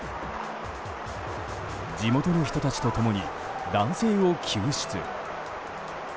地元の人たちと共に男性を救出。